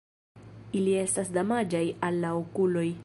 Ili estas damaĝaj al la okuloj.